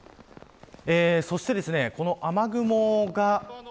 そして、この雨雲が。